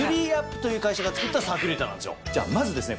じゃあまずですね